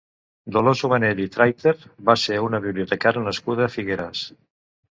Dolors Ubanell i Trayter va ser una bibliotecària nascuda a Figueres.